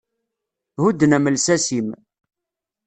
Hudden-am lsas-im.